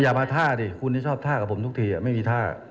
อย่ามาท่าดิคุณที่ชอบท่ากับผมทุกทีไม่มีท่า